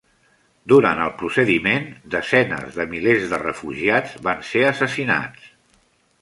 Durant el procediment, desenes de milers de refugiats van ser assassinats.